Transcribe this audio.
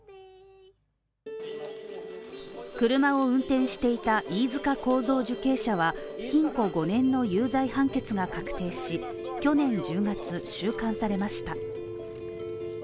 車を運転していた飯塚幸三受刑者は禁錮５年の有罪判決が確定し、去年１０月、収監されました。